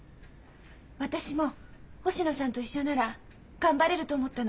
私も星野さんと一緒なら頑張れると思ったの。